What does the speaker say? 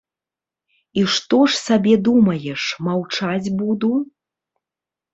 І што ж сабе думаеш, маўчаць буду?